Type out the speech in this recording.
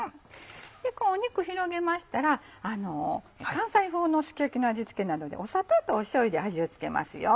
肉広げましたら関西風のすき焼きの味付けなので砂糖としょうゆで味を付けます。